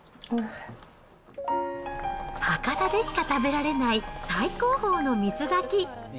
博多でしか食べられない最高峰の水炊き。